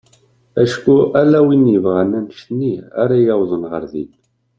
Acku ala win yebɣan annect-nni ara yawḍen ɣer din.